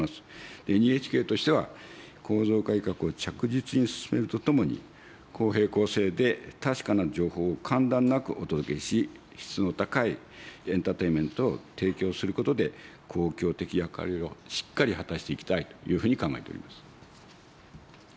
ＮＨＫとしては、構造改革を着実に進めるとともに、公平、公正で確かな情報を間断なくお届けし、質の高いエンターテインメントを提供することで、公共的役割をしっかり果たしていきたいというふうに考えております。